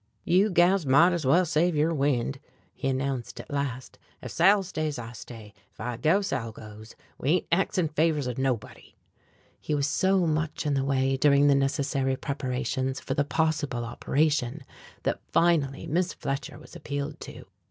"You gals mought ez well save yer wind," he announced at last. "Ef Sal stays, I stay. Ef I go, Sal goes. We ain't axin' favors of nobody." He was so much in the way during the necessary preparations for the possible operation that finally Miss Fletcher was appealed to.